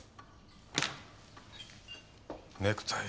ネクタイ